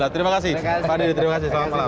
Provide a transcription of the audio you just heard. terima kasih pak dedy terima kasih selamat malam